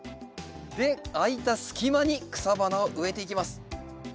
で空いた隙間に草花を植えていきます。